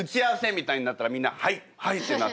みたいになったらみんな「はい！はい！」ってなるの？